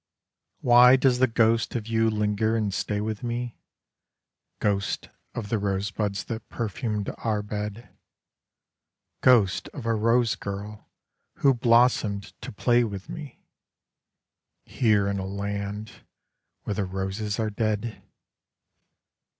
Why does the ghost of you linger and stay with me Ghost of the rose buds that perfumed our bed, Ghost of a rose girl who blossomed to play with me Here in a land where the roses are dead?